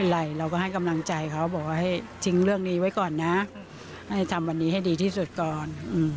ให้ทำตัวนี้ให้ดีที่สุดก่อน